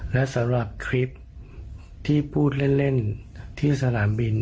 และสำหรับคลิปที่พูดเล่นที่สนามบิน